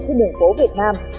trên đường phố việt nam